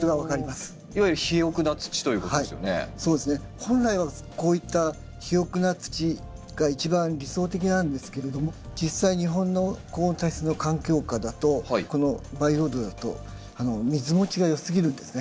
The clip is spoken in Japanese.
本来はこういった肥沃な土が一番理想的なんですけれども実際日本の高温多湿の環境下だとこの培養土だと水もちが良すぎるんですね。